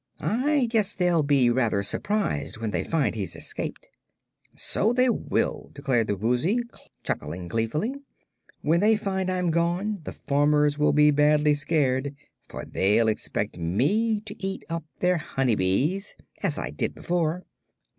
I guess they'll be rather surprised when they find he's escaped." "So they will," declared the Woozy, chuckling gleefully. "When they find I'm gone the farmers will be badly scared, for they'll expect me to eat up their honey bees, as I did before."